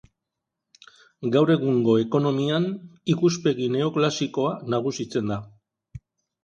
Gaur egungo ekonomian, ikuspegi neoklasikoa nagusitzen da.